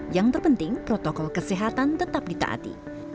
yang terpenting protokol kesehatan tetap ditaati